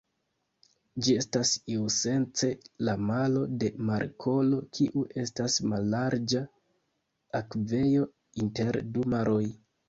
Ĝi estas iusence la malo de markolo, kiu estas mallarĝa akvejo inter du maroj.